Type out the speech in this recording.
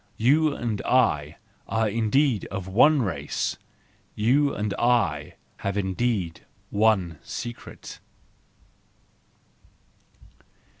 You and I are indeed of one race! You and I have indeed one secret!